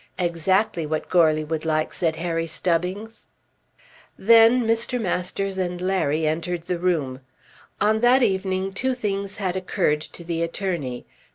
"Exactly what Goarly would like," said Harry Stubbings. Then Mr. Masters and Larry entered the room. On that evening two things had occurred to the attorney.